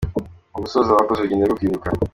Mu gusoza bakoze urugendo rwo kwibuka.